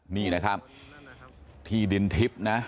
นี่นะครับที่ดินทิพย์นะ